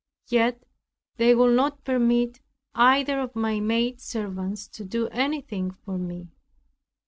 Yet they would not permit either of my maid servants, to do anything for me.